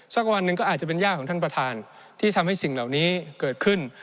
สักวันหนึ่งก็อาจจะเป็นยากของท่านประธานที่ทำให้สิ่งเหล่านี้เกิดขึ้น